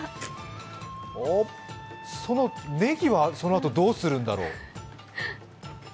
そのねぎは、そのあとどうするんだろ？